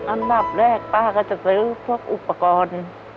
อันดับแรกป้าก็จะซื้อพวกอุปกรณ์